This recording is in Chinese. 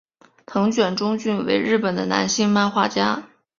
藤卷忠俊为日本的男性漫画家。